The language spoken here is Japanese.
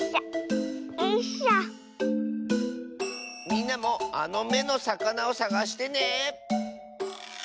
みんなもあの「め」のさかなをさがしてね。